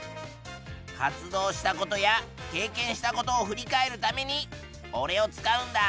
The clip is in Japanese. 活動したことや経験したことを振り返るためにおれを使うんだ。